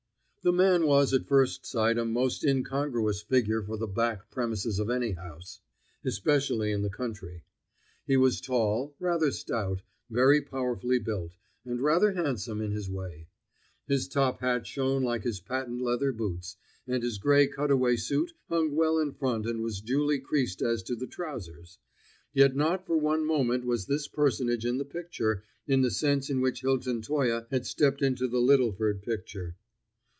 The man was at first sight a most incongruous figure for the back premises of any house, especially in the country. He was tall, rather stout, very powerfully built and rather handsome in his way; his top hat shone like his patent leather boots, and his gray cutaway suit hung well in front and was duly creased as to the trousers; yet not for one moment was this personage in the picture, in the sense in which Hilton Toye had stepped into the Littleford picture.